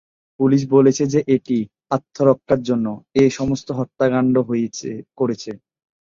Police বলেছে যে এটি "আত্মরক্ষার জন্য" এই সমস্ত হত্যাকাণ্ড করেছে।